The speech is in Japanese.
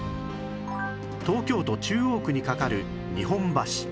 東京都中央区に架かる日本橋